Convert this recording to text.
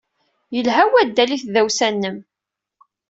Yelha waddal i tdawsa-nnem.